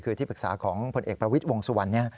คือที่ปรึกษาของผลเอกประวิทย์วงสุวรรณ